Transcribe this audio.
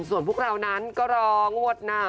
ส่วนพวกเรานั้นก็รองวดหน้า